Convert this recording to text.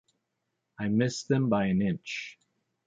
I missed them by an inch.